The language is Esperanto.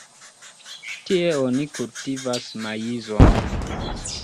Tie oni kultivas maizon.